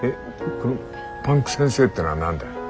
この「パンク先生」ってのは何だい？